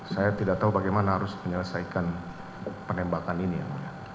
saya tidak tahu bagaimana harus menyelesaikan penembakan ini yang mulia